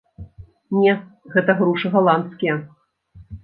Не, гэта грушы галандскія.